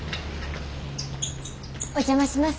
お邪魔します。